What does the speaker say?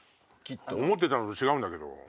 思ってたのと違うんだけど。